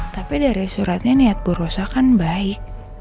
tapi dari suratnya niat bu rosa kan baik